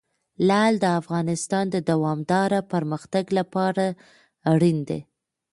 لعل د افغانستان د دوامداره پرمختګ لپاره اړین دي.